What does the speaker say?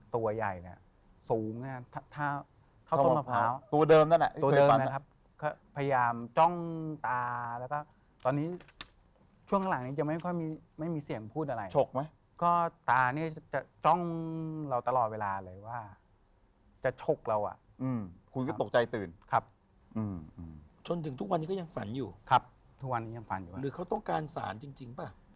ทุกวันนี้ก็ยังฝันอยู่หรือเขาต้องการศาลจริงป่ะ